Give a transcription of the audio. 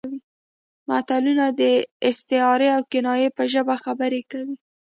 متلونه د استعارې او کنایې په ژبه خبرې کوي